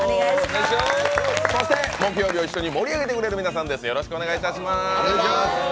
そして木曜日を一緒に盛り上げてくれる皆さんです。